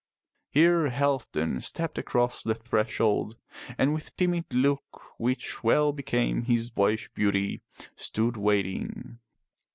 Here Halfdan stepped across the threshold and with timid look which well became his boyish beauty, stood waiting.